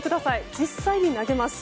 実際に投げます。